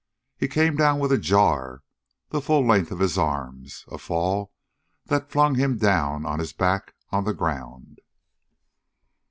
He came down with a jar, the full length of his arms, a fall that flung him down on his back on the ground.